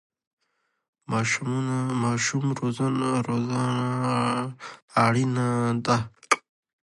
ماشوم روزنه اړینه ده.